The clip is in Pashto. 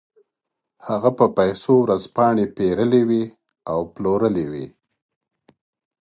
هغه په پیسو ورځپاڼې پېرلې وې او پلورلې وې